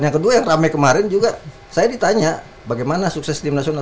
yang kedua yang ramai kemarin juga saya ditanya bagaimana sukses tim nasional